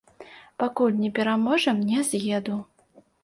Пакуль не пераможам, не з'еду.